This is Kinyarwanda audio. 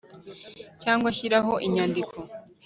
cyangwa shiraho inyandiko